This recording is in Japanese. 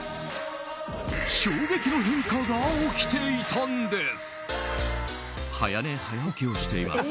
衝撃の変化が起きていたんです。